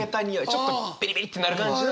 ちょっとビリビリってなる感じの。